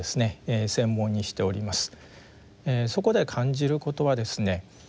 そこで感じることはですね